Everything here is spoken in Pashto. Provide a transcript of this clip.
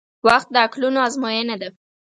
• وخت د عقلونو ازموینه ده.